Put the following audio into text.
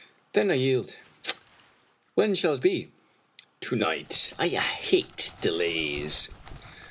" Then I yield. When shall it be? "" To night. I hate delays."